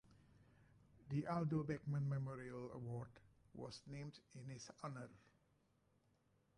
The Aldo Beckman Memorial Award was named in his honor.